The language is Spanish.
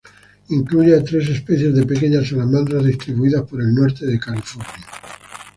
Incluye a tres especies de pequeñas salamandras distribuidas por el norte de California.